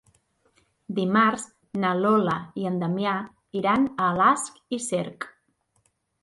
Dimarts na Lola i en Damià iran a Alàs i Cerc.